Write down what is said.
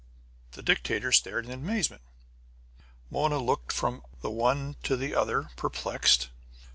The dictator stared in amazement. Mona looked from the one to the other, perplexed.